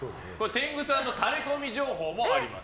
天狗さんのタレコミ情報もあります。